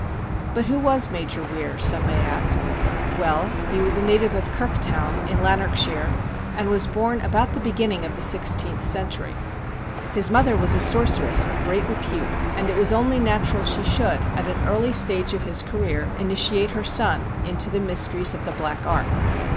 But who was Major Weir ? some may ask. Well, he was a native of Kirktown, in Lanarkshire, and was born about the beginning of the sixteenth century. His mother was a sorceress of great repute, and it was only natural she should, at an early stage of his career, initiate her son into the mysteries of the black art.